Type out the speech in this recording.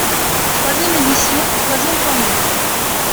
Troisième édition, troisième formule.